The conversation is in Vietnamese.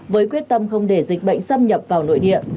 với quyết tâm không để dịch bệnh xâm nhập vào nội địa